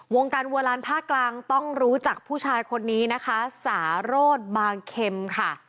วงการวัวลานภาคกลางต้องรู้จักผู้ชายคนนี้นะคะสารโรธบางเข็มค่ะ